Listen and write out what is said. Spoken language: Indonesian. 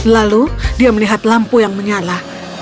lalu dia melihat lampu yang menyala